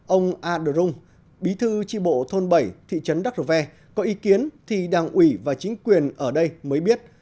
ông a d rung bí thư tri bộ thôn bảy thị trấn đắc rơ ve có ý kiến thì đảng ủy và chính quyền ở đây mới biết